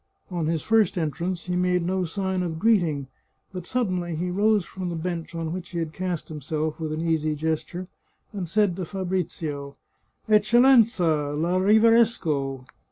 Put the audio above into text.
On his first entrance he made no sign of greeting, but suddenly he rose from the bench on which he had cast himself with an easy gesture, and said to Fabrizio :" Eccellensa! la riverisco!"